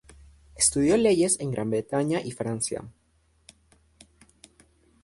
Estudió leyes en Gran Bretaña y Francia.